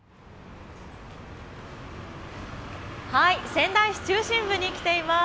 仙台市中心部に来ています。